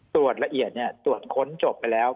ตรวจละเอียดตรวจค้นจบไปแล้ว